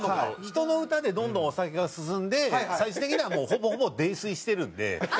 人の歌でどんどんお酒が進んで最終的にはもうほぼほぼ泥酔してるんで。